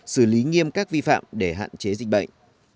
xử lý nghiêm các vi phạm để hạn chế dịch bệnh